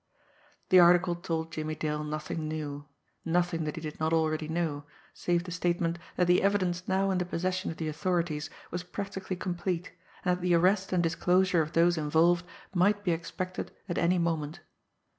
The article told Jimmie Dale nothing new, nothing that he did not already know, save the statement that the evidence now in the possession of the authorities was practically complete, and that the arrest and disclosure of those involved might be expected at any moment.